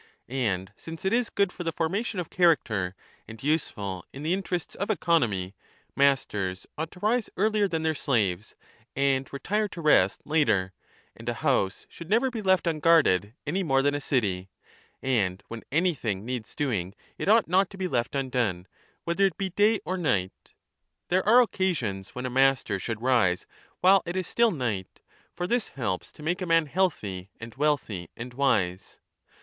And since it is good for the formation of character and useful in the interests of economy, masters ought to rise earlier than their slaves and retire to rest later, and a house should never be left unguarded any 15 more than a city, and when anything needs doing it ought not to be left undone, whether it be day or night. There are occasions when 1 a master should rise while it is still night ; for this helps to make a man healthy and wealthy and wise.